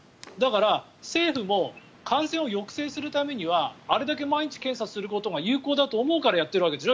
だから、政府も感染を抑制するためにはあれだけ毎日検査することが有効だと思うからやっているわけでしょ。